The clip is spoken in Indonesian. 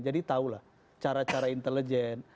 jadi tahulah cara cara intelijen